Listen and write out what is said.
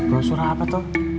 brosur apa tuh